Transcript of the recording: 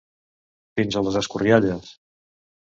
Fins a les escorrialles.